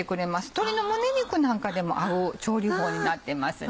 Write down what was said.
鶏の胸肉なんかでも合う調理法になってますね。